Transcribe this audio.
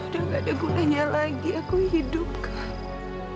udah gak ada gunanya lagi aku hidupkan